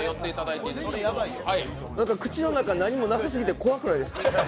口の中、何もなさすぎて怖くないですか？